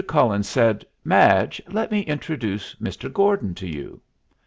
Cullen said, "Madge, let me introduce Mr. Gordon to you."